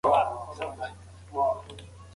د پولیو څاڅکي ماشوم ته ورکړئ.